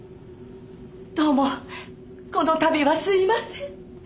どうもこの度はすいません。